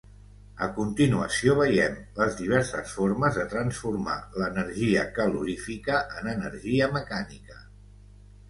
A continuació veiem les diverses formes de transformar l'energia calorífica en energia mecànica.